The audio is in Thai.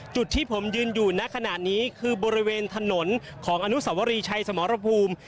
จุดที่ผมยืนอยู่ณขณะนี้คือบริเวณถนนของอนุสวรีชัยสมรภูมิ